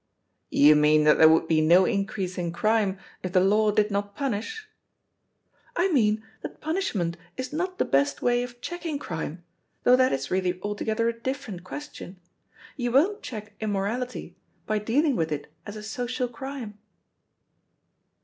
"You mean that there would be no increase in crime if the law did not punish?" "I mean that punishment is not the best way of checking crime, though that is really altogether a different question. You won't check immorality by dealing with it as a social crime."